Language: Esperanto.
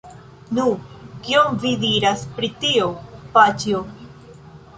Nu! kion vi diras pri tio, paĉjo?